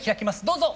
どうぞ！